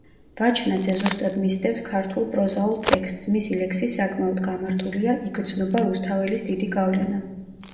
ვაჩნაძე ზუსტად მისდევს ქართულ პროზაულ ტექსტს, მისი ლექსი საკმაოდ გამართულია, იგრძნობა რუსთაველის დიდი გავლენა.